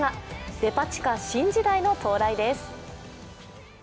デパ地下、新時代の到来です。